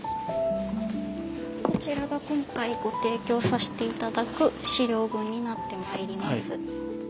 こちらが今回ご提供さして頂く資料群になってまいります。